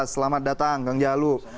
selamat datang kang jalul